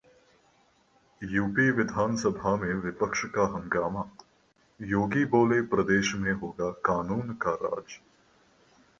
UP विधानसभा में विपक्ष का हंगामा, योगी बोले- प्रदेश में होगा कानून का राज